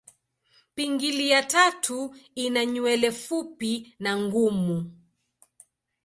Pingili ya tatu ina nywele fupi na ngumu.